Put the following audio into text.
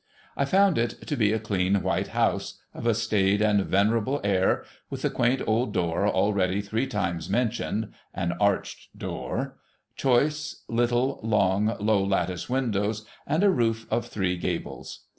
I found it to be a clean white house, of a staid and venerable air, with the quaint old door already three times mentioned (an arched door), choice, little, long, low lattice windows, and a roof of three gables.